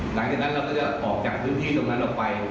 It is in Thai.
หลังจากนั้นเราก็จะออกจากพื้นที่ตรงนั้นออกไป